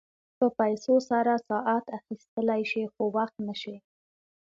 په پیسو سره ساعت اخيستلی شې خو وخت نه شې.